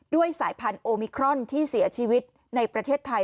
สายพันธุมิครอนที่เสียชีวิตในประเทศไทย